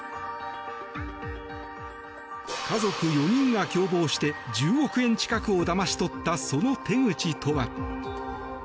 家族４人が共謀して１０億円近くをだまし取ったその手口とは。